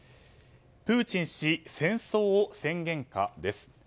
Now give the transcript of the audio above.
プーチン氏戦争を宣言か、です。